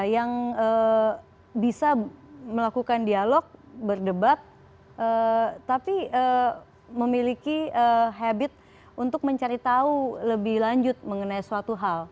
yang bisa melakukan dialog berdebat tapi memiliki habit untuk mencari tahu lebih lanjut mengenai suatu hal